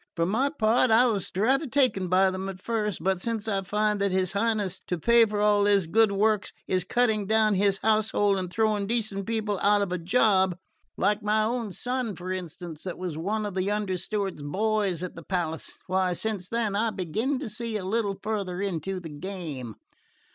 For my part, I was rather taken by them at first; but since I find that his Highness, to pay for all his good works, is cutting down his household and throwing decent people out of a job like my own son, for instance, that was one of the under steward's boys at the palace why, since then, I begin to see a little farther into the game."